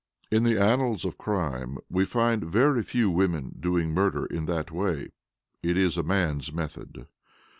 "In the annals of crime we find very few women doing murder in that way; it is a man's method.